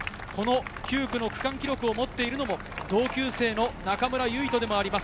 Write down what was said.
９区の区間記録を持っているのも同級生の中村唯翔です。